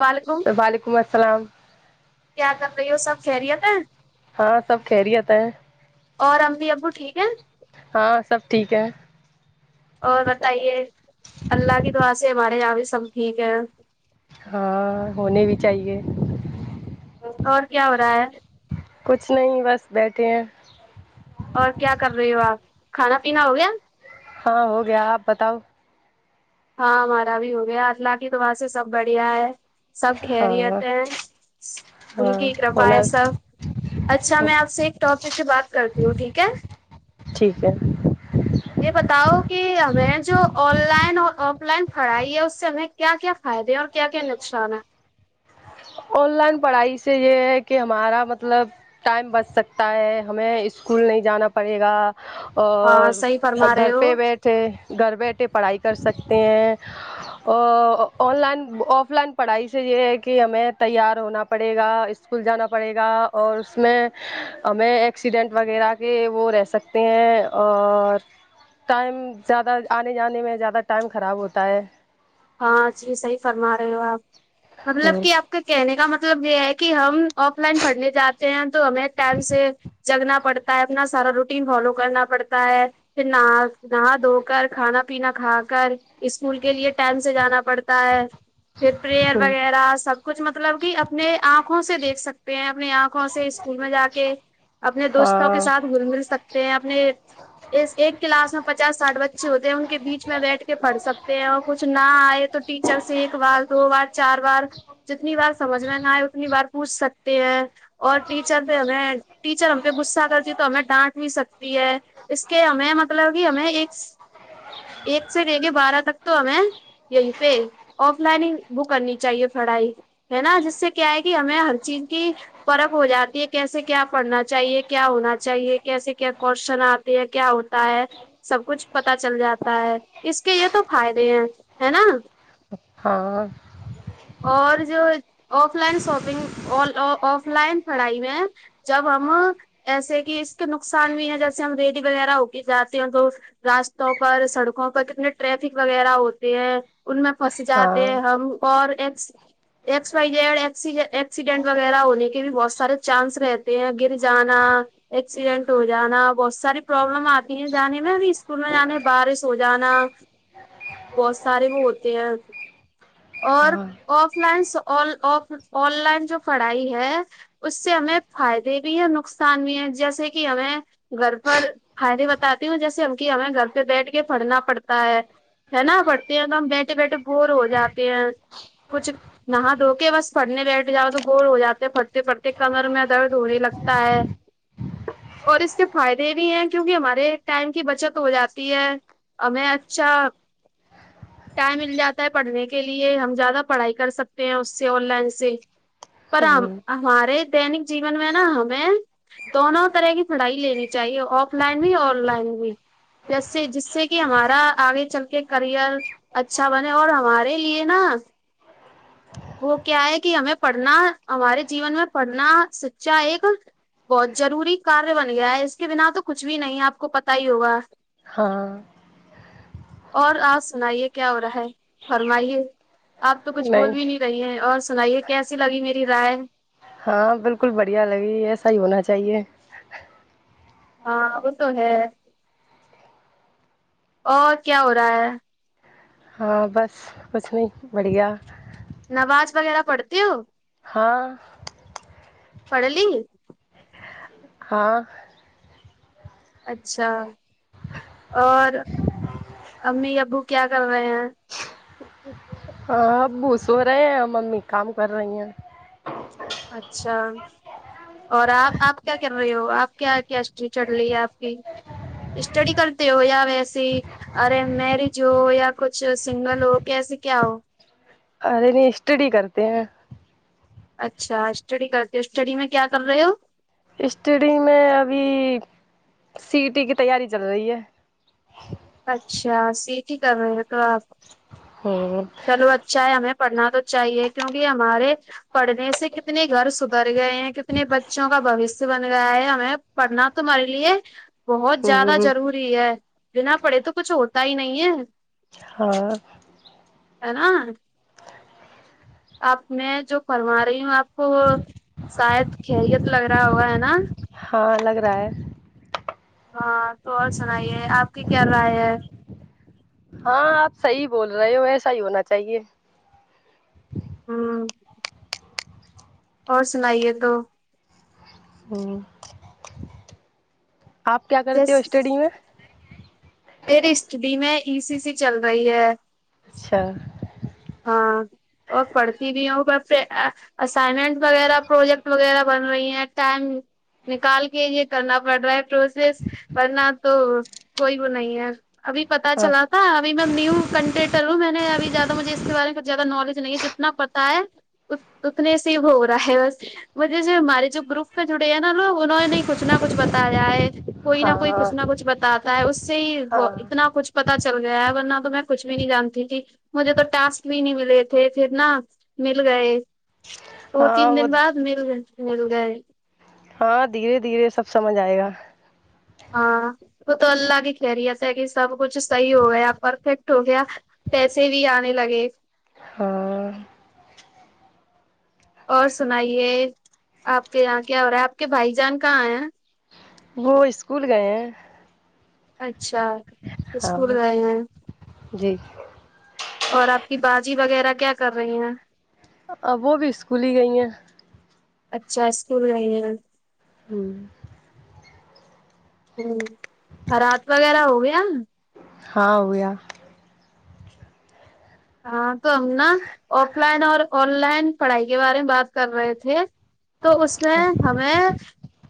وعلیکم وعلیکم السلام کیا کر رہی ہو سب خیریت ہے ہاں سب خیریت ہے اور امبی ابو ٹھیک ہیں ہاں سب ٹھیک ہے اور بتائیے اللہ کی دعا سے ہمارے یہاں بھی سب ٹھیک ہے ہاں ہونی بھی چاہیے اور کیا ہو رہا ہے کچھ نہیں بس بیٹھے ہیں اور کیا کر رہی ہو آپ کھانا پینا ہو گیا ہاں ہو گیا آپ بتاؤ ہاں ہمارا بھی ہو گیا اللہ کی دعا سے سب بڑھیا ہے سب ہاں خریت ہیں ہاں ان کی کرپا ہونا ہے سب اچھا میں آپ سے ایک ٹاپک سے بات کرتی ہوں ٹھیک ہے ٹھیک ہے یہ بتاؤ کہ ہمیں جو آن لائن ہو اف لائن پڑھائی ہے اس سے ہمیں کیا کیا فائدے اور کیا کیا نقصان ہے ان لائن پڑھائی سے یہ ہے کہ ہمارا مطلب ٹائم بچ سکتا ہے ہمیں اسکول نہیں جانا پڑے گا ہاں اور صحیح فرما گھر رہے ہو پہ بیٹھے گھر بیٹھے پڑھائی کر سکتے ہیں ا آن لائن آف لائن پڑھائی سے یہ ہے کہ ہمیں تیار ہونا پڑے گا اسکول جانا پڑے گا اور اس میں ہمیں ایک ایکسیڈنٹ وغیرہ کے وہ رہ سکتے ہیں اور ٹائم زیادہ آنے جانے میں زیادہ ٹائم خراب ہوتا ہے ہاں جی صحیح فرما رہے ہو آپ مطلب ہوں کہ آپ کہنے کا مطلب یہ ہے کہ ہم آف لائن پڑھنے جاتے ہیں تو ہمیں ٹائم سے جگنا پڑتا ہے اپنا سارا روٹین فالو کرنا پڑ تا ہے پھر نہا نہا دھو کر کھانا پینا کھا کر اسکول کے لیے ٹائم سے جانا پڑتا ہے پھر پریئر ہوں وغیرہ سب کچھ مطلب کہ اپنے آنکھوں سے دیکھ سکتے ہیں اپنی آنکھوں سے اسکول میں جا کے اپنے دوستوں ہاں کے ساتھ گھل مل سکتے ہیں اپنے اس ایک کلاس میں پچاس ساٹ بچے ہوتے ہیں ان کے بیچ میں بیٹھ کے پڑھ سکتے ہیں اور کچھ نہ ائے تو ٹیچر سے ایک بار دو بار چار بار جتنی بار سمجھ میں نہ آئے اتنی بار پوچھ سک تے ہیں اور ٹیچر پہ ہمیں ٹیچر ہم پہ غصہ کرتی تو ہمیں ڈانٹ بھی سکتی ہے اس کے ہمیں مطلب کہ ہمیں ایک ص ایک سے لے کے بارہ تک تو ہمیں یہی پہ آف لائن ہی وه کرنی چاہیے پڑھائی ہے نا جس سے کیا ہے کہ ہمیں ہر چیز کی فرق ہو جاتی ہے کیسے کیا پڑھنا چاہیے کیا ہونا چاہیے کیسے کیا کوشن کیا ہوتا ہے سب کچھ پتا چل جاتا ہے اس کے یہ تو ہیدے ہے ہے نا ہاں اور جو offline shopping offline پڑھائی میں جب ہم ایسے کہ اس کے نقصان بھی ہے جیسے ہم ریڈی وغیرہ ہو کے جاتے ہیں تو راستوں پر سڑکوں پر کتنے ٹریک وغیرہ ہوتے ہیں ان میں پھنس ہاں جاتے ہیں ہم اور ایکس ایکس وائی جڈ اکی ایکسیڈینٹ وغیرہ ہونے کے بھی بہت سارے چانس رہتے ہیں گر جانا ایکسیڈنٹ ہو جانا بہت ساری پرابلم آتی ہیں جانے میں ابھی اسکول میں جانے بارش ہو جانا بہت سارے وہ ہوتے ہیں اور ہاں offlines on offline جو پڑھائی ہے اس سے ہمیں فائدے بھی ہیں نقصان بھی ہے جیسے کہ ہمیں گھر پر فائدے بتاتی ہوں جیسے ہم کی ہمیں گھر پہ بیٹھ کے پڑنا پڑتا ہے ہے نا پڑھتے ہیں تو ہم بیٹھے بیٹھے بور ہو جاتے ہیں کچھ نہا دھو کے بس پھٹنے بیٹھ جاؤ تو بور ہو جاتے پھٹتے پٹتے کمر میں درد ہونے لگتا ہے اور اس سے فائدے بھی ہیں کیونکہ ہمارے ٹائم کی بچت ہو جاتی ہے ہمیں اچھا ٹائم مل جاتا ہے پڑھنے کے لیے ہم زیادہ پڑھائی کر سکتے ہیں اس سے آن لائن سے پر ہم ہوں ہمارے تینک جیون میں نا ہمیں دونوں طرح کی پڑھائی لینی چاہیے آف لائن بھی آن لائن بھی جیسے جس سے کہ ہمارا آگے چل کے کرئر اچھا بنے اور ہمارے لیے نا وہ کیا ہے کہ ہمیں پڑھنا ہمارے جیون میں پڑھنا سچچا ایک بہت ضروری کاریہ بن گیا ہے اس کے بنا تو کچھ بھی نہیں ہے آپ کو پتا ہی ہوگا ہاں اور آپ سنائیے کیا ہو رہا ہے فرمائیے آپ تو کچھ بول بھی نہیں رہی ہیں اور سنائیے کیسی لگی میری رائے ہاں بالکل بڑھیا لگی ایسا ہی ہونا چاہیے ہاں وہ تو ہے اور کیا ہو رہا ہے ہاں بس بس وہ بڑھیا نواز وغیرہ پڑھتی ہو ہاں پڑھلی ہاں اچھا اور امی ابو کیا کر رہے ہیں ہاں ابو سو رہے ہیں امی کام کر رہی ہیں اچھا اور آپ آپ کیا کر رہے ہو آپ کیا کیاسری چڑ رہی ہے آپ کی اسٹڈی کرتے ہو یا ویسے ارے مریج ہو یا کچھ سنگل ہو کیسے کیا ہو ارے نہیں اسٹڈی کرتے ہیں اچھا اسٹڈی کرتے ہو اسٹڈی میں کیا کر رہے ہو اسٹڈی میں ابھی سی ٹی کی تیاری چل رہی ہے اچھا سی ٹی کر رہ تو آپ ہمم چلو اچھا ہے ہمیں پڑھنا تو چاہیے کیونکہ ہمارے پڑھنے سے کتنے گھر در گئے ہیں کتنے بچوں کا بھوشیہ بن گیا ہے ہمیں پڑھنا تو مارے لیے بہت زیادہ ہوں ضروری ہے بنا پڑھے تو کچھ ہوتا ہی نہیں ہے ہاں ہے نا آپ میں جو فرما رہی ہوں آپ کو وہ شاید خیریت لگ رہا ہوگا ہے نا ہاں لگ رہا ہے ہاں تو اور سنائیے آپ کی کیا رائے ہے ہاں آپ صحیح بول رہے ہو ایسا ہی ہونا چاہیے ہاں اور سنائیے تو ہوں آپ کیا کرتے جس ہو اسٹڈی میں مری اسٹڈی میں ای سی سے چل رہی ہے اچھا ہاں اور پڑھتی بھی ہوں ب اسائنمنٹ وغیرہ پروجیکٹ وغیرہ بن رہی ہیں ٹائم نکال کے یہ کرنا پڑ رہا ہے پروسیس ورنہ تو کوئی وہ نہیں ہے ابھی پتہ ہاں چلا تھا ابھی میں نیو کنٹینٹر ہوں میں نے اب زیادہ مجھے اس کے بارے میں زیادہ نالج نہیں ہے جتنا پتا ہے ا اتنے سے ہو رہا ہے بس مجھے جو ہمارے جو گروپ پہ جڑے ہیں نا لوگ انہوں نے کچھ نہ کچھ بتایا ہے کوئی نہ ہاں کوئی کچھ نہ کچھ بتاتا ہے اس سے ہی ہاں اتنا کچھ پتا چل گیا ہے ورنہ تو میں کچھ بھی نہیں جانتی تھی مجھے تو ٹاسک بھی نہیں ملے تھے پھر نا مل گئے دو ہاں تین وہ دن بعد مل گئے مل گئے ہاں دھیرے دھیرے سب سمجھ آئے گا ہاں وہ تو اللہ کی خیریت ہے کہ سب کچھ صحیح ہو گیا پرفیکٹ ہو گیا پیسے بھی آنے لگے ہاں اور سنائیے آپ کے یہاں کیا ہو رہا ہے آپ کے بھائی جان کہاں ہیں وہ اسکول گئے ہیں اچھا ہاں اسکول گئے ہیں جی اور آپ کی باجی وغیرہ کیا کر رہی ہیں اب وہ بھی اسکول ہی گئی ہیں اچھا اسکول گئی ہے ہوں ہوں ر رات وغیرہ ہو گیا ہاں ہوگیا ہاں تو ہم نا آف لائن اور آن لائن پڑھائی کے بارے میں بات کر رہے تھے تو اس میں ہاں ہمیں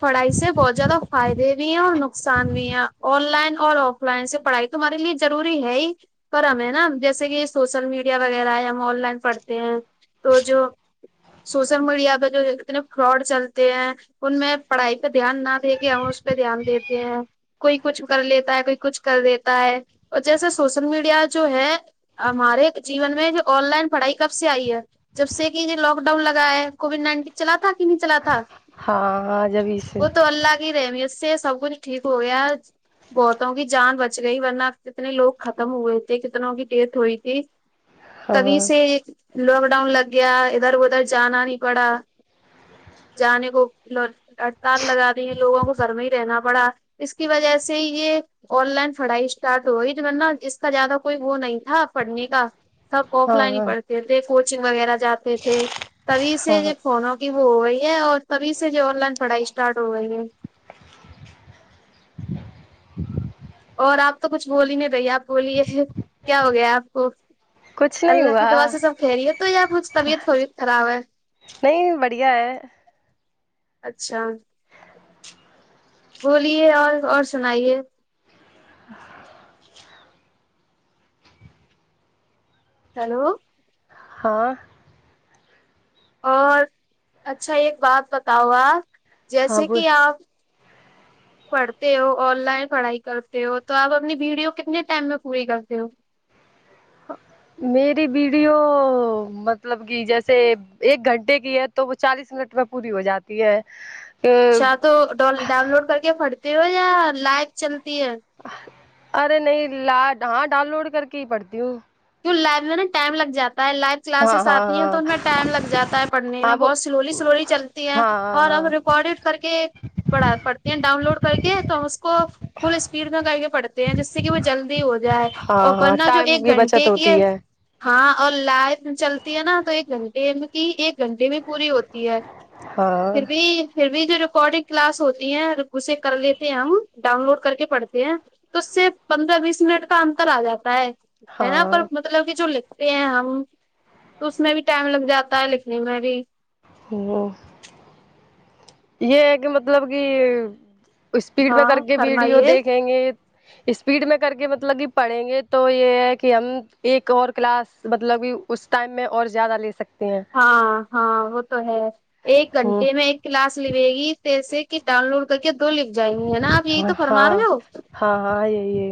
پڑھائی سے بہت زیادہ فائدے بھی ہیں اور نک نقصانویا آن لائن اور آف لائن سے پڑھائی تمہارے ضروری ہے ہی پر ہمے ہے نا جیسے کہ سوشل میڈیا وغیرہ ہے ہم آن لائن پڑھتے ہیں تو جو سوشل میڈیا پہ جو کتنے فراڈ چلتے ہیں ان میں پڑھائی پہ دھیان نہ دے کے ہم اس پہ دھیان دیتے ہیں کوئی کچھ کر لیتا ہے کوئی کچھ کر دیتا ہے اور جیسا سوشل میڈیا جو ہے ہمارے جیون میں جو آن لائن پڑھائی کب سے آئی ہے جب سے کہ یہ لاک ڈاؤن لگایا ہے کووڈ نائن تین چلا تھا کہ نہیں چلا تھا ہاں جبھی سے وہ تو اللہ کی رہحمی اس سے سب کچھ ٹھیک ہو گیا گوتوں کی جان بچ گئی ورنہ کتنے لوگ ختم ہوئے تھے کتناوں کی ٹیٹ ہوئی تھی ہاں تبھی سے لاک ڈاؤن لگ گیا ادھر ادھر جانا نہیں پڑا جانے کو ہڑتال لگات دی ہیں لوگوں کو گھر میں ہی رہنا پڑا اس کی وجہ سے یہ آن لائن پڑھائی اسٹارٹ ہو رہی ورنہ اس کا زیادہ کوئی وہ نہیں تھا پڑھنے کا سب آف ہاں لائن ہی ہاں پڑھتے تھے کوچنگ وغیرہ جاتے تھے تبھی سے جو ہاں فونوں کی وہ ہو رہی ہے اور تبھی سے جو آن لائن پڑھائی اسٹارٹ ہو رہئی ہے اور آپ تو کچھ بولی نہیں رہی آپ بولیے کیا ہو گیا آپ کو کچھ نہیں اللہ کی ہوا دوا سے سب کہ خیریت تو ہے یا کچھ طبیعت طوبیت خراب ہے نہیں بڑھیا ہے اچھا بولیے اور اور سنائیے ہیلو ہاں اور اچھا ایک بات بتاؤ آپ ہاں جیسے ب کہ آپ پڑھتے ہو آن لائن پڑھائی کرتے ہو تو آپ اپنی ویڈیو کتنے ٹائم میں پوری کرتے ہو میری ویڈیو مطلب کہ جیسے ایک گھنٹے کی ہے تو وہ چالیس منٹ میں پوری ہو جاتی ہے کہ شاہ تو ڈاون لوڈ کر کے پڑتی ہو یا لائک چلتی ہے ارے نہیں لاڈ ہاں ڈال لوڈ کر کے ہی پڑتی ہوں کیوں لائبریری میں ٹائم لگ جات پیل لائو ہاں کلاسز آتی ہیں ہاں تو ہاں ان میں ٹائم لگ جاتا ہے پڑنے میں ہاں وہ بہت سلولی سلولی چلتی ہیں ہاں ہاں اور ہاں ہم ریکارڈڈ کر کے پڑھا پڑتے ہیں ڈاؤن لوڈ کر کے تو ہم اس کو فل اسپیڈ میں کر کے پڑتے ہیں جس سے کہ وہ جلدی ہو جائے اور ہاں ہاں ورننا جو ٹائم ایک کی گھنٹہ بچت ہوتی ہے ہاں اور لائٹ چلتی ہے نا تو ایک گھنٹے ایک گھنٹے میں پوری ہوتی ہے ہاں پھر بھی پھر بھی جو ریکارڈنگ کلاس ہوتی ہے اسے کر لیتے ہیں ہم ڈاون لوڈ کر کے پڑھتے ہیں تو اس سے پندرہ بیس منٹ کا انتر آ جاتا ہے ہے نا پر ہاں مطلب کہ جو لکھتے ہیں ہم تو اس میں بھی ٹائم لگ جاتا ہے لکھنے میں بھی [unintelligible] یہ ہے کہ مطلب کہ اسپیڈ میں ہاں کر کے ویڈیو فرمائیے دیکھیں گے اسپیڈ میں کر کے مطلب کہ پڑھیں گے تو یہ ہے کہ ہم ایک اور کلاس مطلب کہ اس ٹائم میں اور زیادہ لے سک ہاں ہاں وہ تو ہے ایک ہوں گھنٹے میں ایک کلاس لیوے گی تسے کہ ڈاؤن لوڈ کر کے دو لکھ جائیں گے ہے نا آپ یہی ہاں تو فرما ہاں رہے ہو ہاں ہاں یہ یہ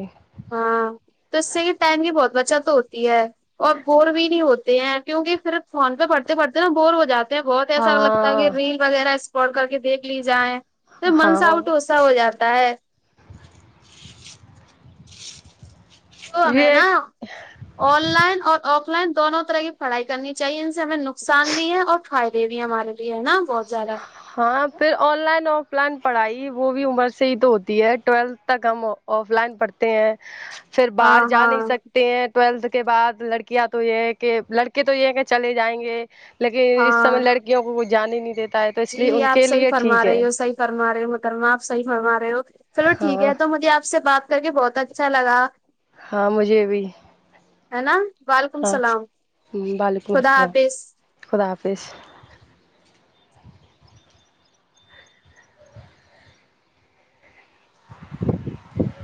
ہاں تو اس سے یہ ٹائم کی بہت بچت ہوتی ہے اور بور بھی نہیں ہوتے ہیں کیونکہ صرف فون پہ پڑھتے پڑھتے نا بور ہو جات بہت ایسا لگتا ہے کہ ہاں ریل وغیرہ اسپٹ کر کے دیکھ لی جائیں تو ہاں منساوٹ سا ہو جاتا ہے تو ہمیں نا یہ آن لائن اور آف لائن دونوں طرح کی پڑھائی کرنی چاہیے ان سے ہمیں نقصان بھی ہے اور فائدے بھی ہمارے لیے ہے نا بہت زیادہ ہاں پھر آن لائن آف لائن پڑھائی وہ بھی عمر سے ہی تو ہوتی ہے ٹویلتھ تک ہم آف لائن پڑھتے ہیں پھر ہاں باہر جا ہاں نہیں سکتے ہیں ٹویلتھ کے بعد لڑکیاں تو یہ ہے کہ لڑکے تو یہ ہے کہ چلے جائیں گے لیکن اس سمے ہاں لڑکیوں کو کوئی جانے نہیں دیتا ہے تو اس لیے جی ان آپ کے صحیح لیے فرما ٹھیک ہے رہے ہو صحیح فرما رہے ہو محترمہ آپ صحیح فرما رہے ہو چلو ٹھیک ہاں ہے تو مجھے آپ سے بات کر کے بہت اچھا لگا ہاں مجھے بھی ہے نا بال ہاں وعلیکم السلام حافظ خدا حافظ